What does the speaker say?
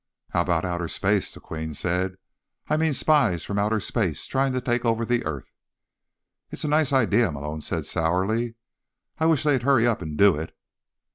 "How about outer space?" the Queen said. "I mean, spies from outer space trying to take over the Earth." "It's a nice idea," Malone said sourly. "I wish they'd hurry up and do it."